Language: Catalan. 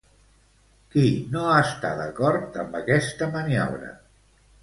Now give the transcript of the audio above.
Qui no està d'acord amb aquesta maniobra?